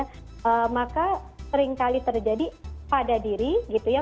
karena seringkali terjadi pada diri gitu ya